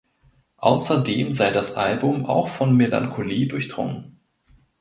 Außerdem sei das Album „auch von Melancholie durchdrungen“.